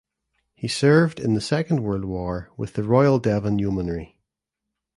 He served in the Second World War with the Royal Devon Yeomanry.